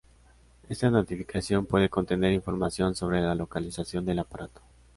Esta notificación puede contener información sobre la localización del aparato.